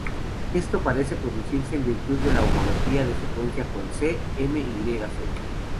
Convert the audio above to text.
Esto parece producirse en virtud de la homología de secuencia con c-Myc.